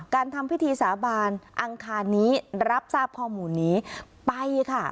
ทำพิธีสาบานอังคารนี้รับทราบข้อมูลนี้ไปค่ะ